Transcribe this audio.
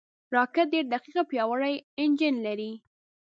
راکټ ډېر دقیق او پیاوړی انجن لري